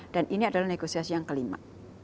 dan ini adalah negosiasi yang kelima